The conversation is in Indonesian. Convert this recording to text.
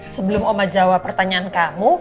sebelum oma jawab pertanyaan kamu